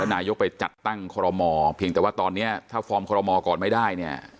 นายกไปจัดตั้งคอรมอเพียงแต่ว่าตอนนี้ถ้าฟอร์มคอรมอก่อนไม่ได้เนี่ย